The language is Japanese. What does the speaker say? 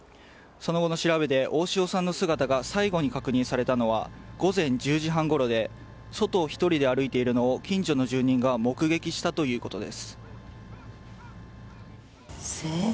その後の調べで大塩さんの姿が最後に確認されたのは午前１０時半ごろで外を１人で歩いているのを近所の住人が目撃したということです。